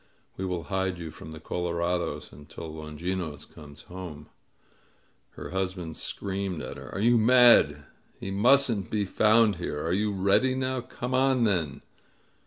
We will hide you from the colorados until Longinos comes home !" Her husband screamed at her. "Are you mad? He mustn't be found here! Are you ready now? Come on then